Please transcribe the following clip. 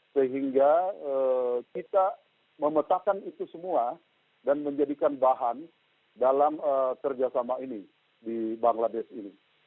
sehingga kita memetakan itu semua dan menjadikan bahan dalam kerjasama ini di bangladesh ini